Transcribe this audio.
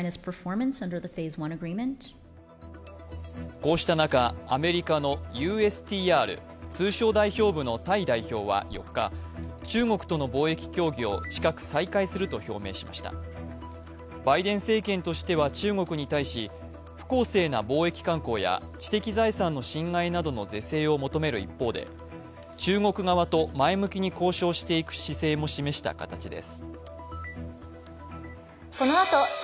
こうした中、アメリカのＵＳＴＲ＝通商代表部のタイ代表は４日、バイデン政権としては中国に対し、不公正な貿易慣行や知的財産の侵害などの是正を求める一方で中国側と前向きに交渉していく姿勢を示した形です。